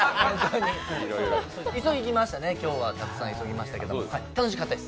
急ぎましたね、今日はたくさん急ぎましたけど楽しかったです。